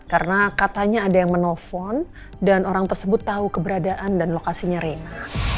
karena katanya ada yang menelpon dan orang tersebut tahu keberadaan dan lokasinya rena